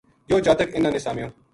یوہ جاتک اِنھاں نے سامیو